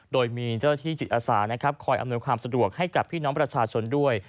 โดยมีเจ้าหน้าที่จิตอาสานะครับคอยอำนวยความสะดวกให้กับพี่น้องประชาชนด้วย